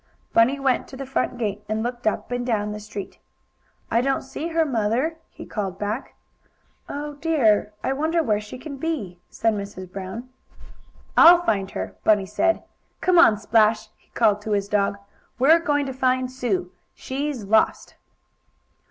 Bunny went to the front gate and looked up and down the street. "I don't see her, Mother," he called back. "Oh, dear! I wonder where she can be?" said Mrs. Brown. "I'll find her," Bunny said. "Come on, Splash!" he called to his dog. "We're going to find Sue; she's lost!"